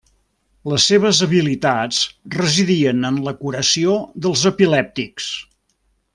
Les seves habilitats residien en la curació dels epilèptics.